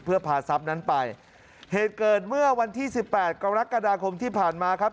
เพื่อพาทรัพย์นั้นไปเหตุเกิดเมื่อวันที่สิบแปดกรกฎาคมที่ผ่านมาครับ